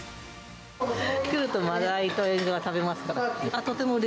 来るとマダイとエンガワ食べますから。